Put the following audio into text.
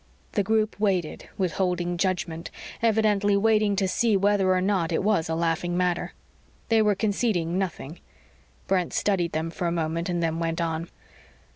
The group waited, withholding judgment, evidently waiting to see whether or not it was a laughing matter. They were conceding nothing. Brent studied them for a moment and then went on.